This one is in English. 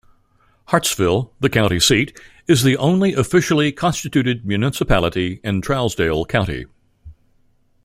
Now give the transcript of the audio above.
Hartsville, the county seat, is the only officially constituted municipality in Trousdale County.